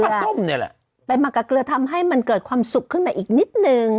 ส้มเนี่ยแหละไปหมักกับเกลือทำให้มันเกิดความสุขขึ้นมาอีกนิดนึง